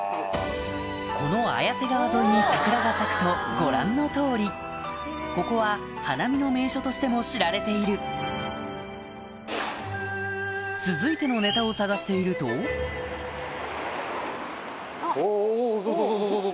この綾瀬川沿いに桜が咲くとご覧の通りここはとしても知られている続いてのネタを探しているとお。